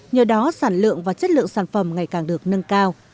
nhờ đó sản lượng và chất lượng sản phẩm ngày càng được nâng cao